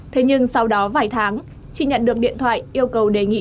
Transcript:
thế nhưng sau đó vài tháng chị nhận được điện thoại yêu cầu đề nghị